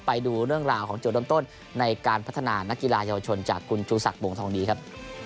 ไปดูเรื่องราวของจุดเริ่มต้นในการพัฒนานักกีฬาเยาวชนจากคุณชูศักดิบวงทองดีครับ